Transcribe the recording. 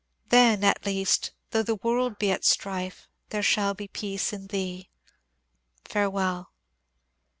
Then, at least, though the world be at strife, there shall be peace in thee. Farewell